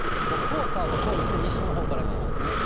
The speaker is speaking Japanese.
黄砂もそうですね、西のほうから来ますね。